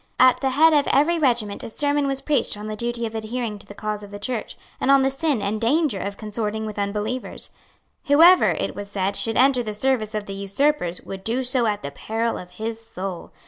At the head of every regiment a sermon was preached on the duty of adhering to the cause of the Church, and on the sin and danger of consorting with unbelievers. Whoever, it was said, should enter the service of the usurpers would do so at the peril of his soul.